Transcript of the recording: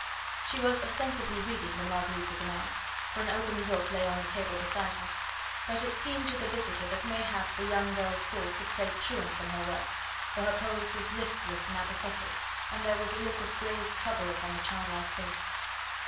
She was ostensibly reading when Marguerite was announced, for an open book lay on a table beside her; but it seemed to the visitor that mayhap the young girl's thoughts had played truant from her work, for her pose was listless and apathetic, and there was a look of grave trouble upon the childlike face.